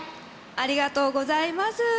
ありがとうございます。